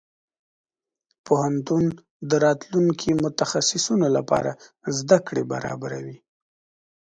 پوهنتون د راتلونکي متخصصينو لپاره زده کړې برابروي.